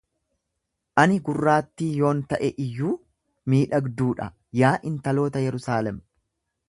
Ani gurraattii yoon ta'e iyyuu miidhagduu dha; yaa intaloota Yerusaalem